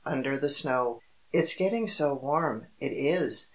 UNDER THE SNOW "It's getting so warm, it is.